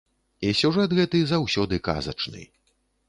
І сюжэт гэты заўсёды казачны.